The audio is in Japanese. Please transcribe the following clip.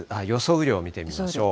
雨量を見てみましょう。